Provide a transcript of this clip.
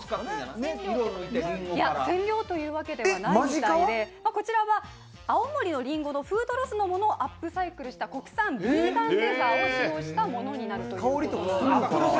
染料というわけではないみたいで、こちらは青森のりんごのフードロスのものをアップサイクルした国産ビーガンレザーを使用したものになるということです。